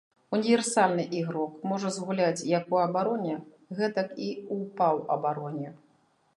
Універсальны ігрок, можа згуляць як у абароне, гэтак і ў паўабароне.